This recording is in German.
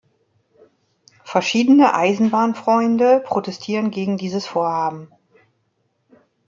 Verschiedene Eisenbahnfreunde protestieren gegen dieses Vorhaben.